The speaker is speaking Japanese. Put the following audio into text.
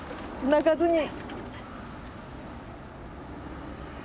泣かずに。